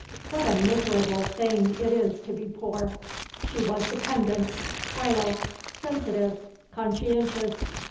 What a miserable thing it is to be poor. She was dependent, frail, sensitive, conscientious.